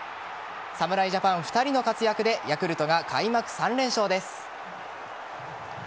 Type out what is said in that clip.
侍ジャパン２人の活躍でヤクルトが開幕３連勝です。